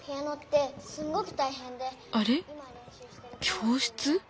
教室？